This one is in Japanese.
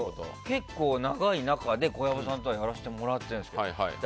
結構、長い仲で小籔さんとはやらせてもらってるんです。